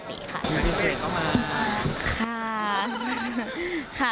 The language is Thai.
มีใครเข้ามา